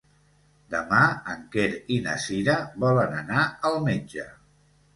Demà en Quer i na Cira volen anar al metge.